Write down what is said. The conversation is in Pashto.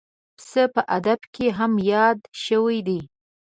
پسه په ادب کې هم یاد شوی دی.